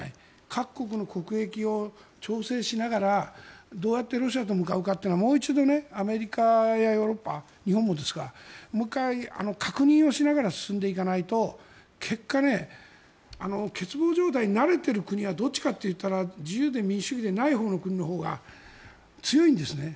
各国の国益を調整しながらどうやってロシアと向かうかというのはもう一度アメリカやヨーロッパ日本もですがもう１回確認をしながら進んでいかないと結果、欠乏状態に慣れている国はどちらかといったら自由で民主主義でない国のほうが強いんですね。